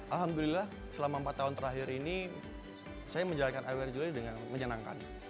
alhamdulillah selama empat tahun terakhir ini saya menjalankan iwer juli dengan menyenangkan